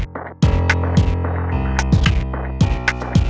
kalau kalian mau ngebalikin sweaternya